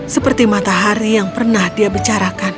seperti matahari yang pernah dia bicarakan